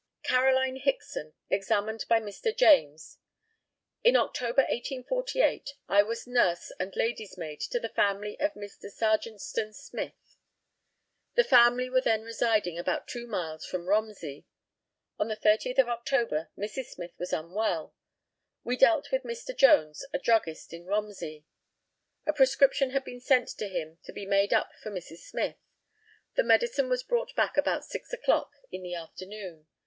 CAROLINE HICKSON, examined by Mr. E. JAMES: In October, 1848, I was nurse and lady's maid in the family of Mr. Sarjantson Smyth. The family were then residing about two miles from Romsey. On the 30th of October Mrs. Smyth was unwell. We dealt with Mr. Jones, a druggist in Romsey. A prescription had been sent to him to be made up for Mrs Smyth. The medicine was brought back about six o'clock in the afternoon.